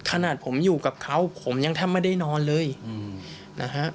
ขนาดผมอยู่กับเขาผมยังแทบไม่ได้นอนเลยนะฮะ